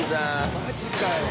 マジかよ！